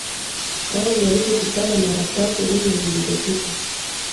tangu walipokutana mara tatu nne zilizopita